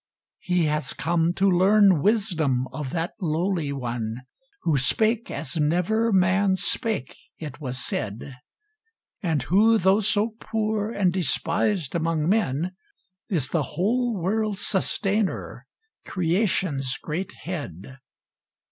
He has come to learn wisdom of that lowly one, Who spake as "never man spake" it was said; And who, though so poor and despised among men, Is the whole world's Sustainer, creation's great Head.